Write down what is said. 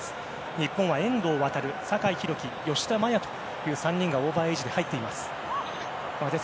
日本は遠藤航、酒井宏樹吉田麻也という３人がオーバーエージで入っています。